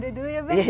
udah dulu ya be